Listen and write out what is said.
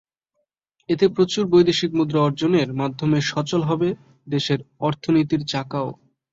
এতে প্রচুর বৈদেশিক মুদ্রা অর্জনের মাধ্যমে সচল হবে দেশের অর্থনীতির চাকাও।